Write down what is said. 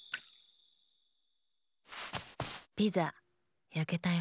ピザやけたよ。